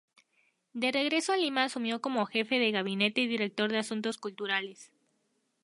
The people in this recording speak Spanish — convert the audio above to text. De regreso a Lima asumió como Jefe de Gabinete y Director de Asuntos Culturales.